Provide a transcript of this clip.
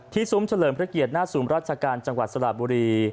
ซุ้มเฉลิมพระเกียรติหน้าศูนย์ราชการจังหวัดสระบุรี